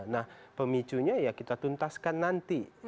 nah pemicunya ya kita tuntaskan nanti